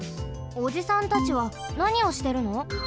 おじさんたちはなにをしてるの？